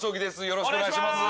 よろしくお願いします